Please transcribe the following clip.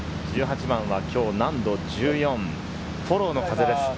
１８番、今日は難度１４、フォローの風です。